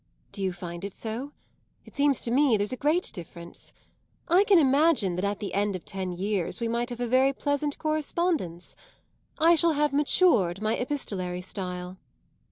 "Do you find it so? It seems to me there's a great difference. I can imagine that at the end of ten years we might have a very pleasant correspondence. I shall have matured my epistolary style."